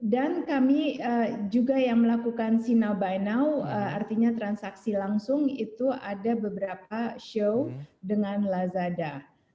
dan kami juga yang melakukan si now by now artinya transaksi langsung itu ada beberapa show dengan lazada